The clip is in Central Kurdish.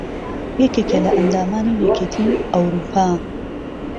یەکێکە لە ئەندامانی یەکێتیی ئەووروپا